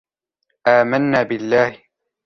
آمنا بالله